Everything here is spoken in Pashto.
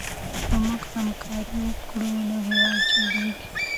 که موږ همکاري وکړو نو هېواد جوړېږي.